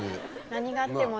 何があっても。